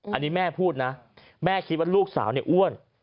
อันนี้แม่พูดนะแม่คิดว่าลูกสาวเนี่ยอ้วน